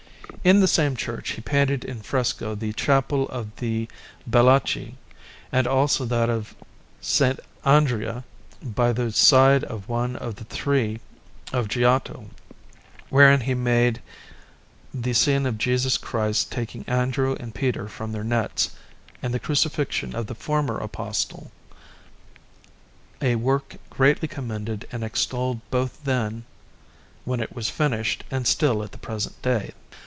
In the same church he painted in fresco the Chapel of the Bellacci, and also that of S. Andrea by the side of one of the three of Giotto, wherein he made the scene of Jesus Christ taking Andrew and Peter from their nets, and the crucifixion of the former Apostle, a work greatly commended and extolled both then when it was finished and still at the present day.